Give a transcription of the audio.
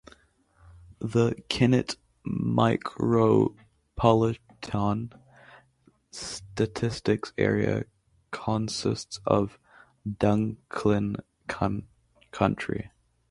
The Kennett Micropolitan Statistical Area consists of Dunklin County.